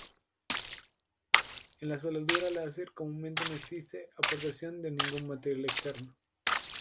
En la soldadura láser comúnmente no existe aportación de ningún material externo.